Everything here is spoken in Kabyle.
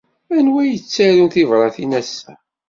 Anwa ay yettarun tibṛatin ass-a?